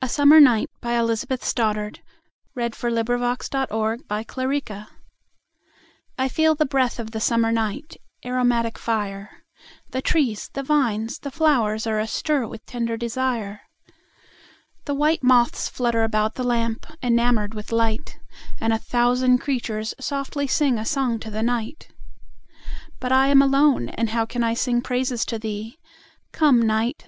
An American Anthology, 1787â1900. 1900. By ElizabethStoddard 429 A Summer Night I FEEL the breath of the summer night, Aromatic fire:The trees, the vines, the flowers are astirWith tender desire. The white moths flutter about the lamp, Enamoured with light; And a thousand creatures softly singA song to the night! But I am alone, and how can I singPraises to thee? Come, Night!